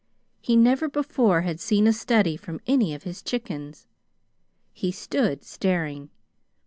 He never before had seen a study from any of his chickens. He stood staring.